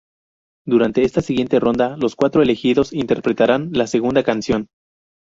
Durante esta siguiente ronda los cuatro elegidos interpretarán la segunda canción.